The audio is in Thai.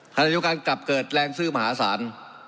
ขณะเดียวกันกลับเกิดแรงซื้อมหาศาล